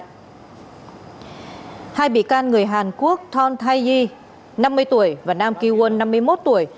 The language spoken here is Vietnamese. hai bị can người hàn quốc thon tai yi năm mươi tuổi và nam ki won năm mươi một tuổi